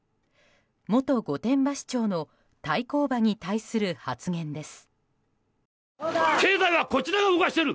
元御殿場市長の対抗馬に対する発言です。